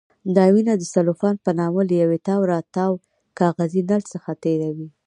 دا وینه د سلوفان په نامه له یو تاوراتاو کاغذي نل څخه تېروي.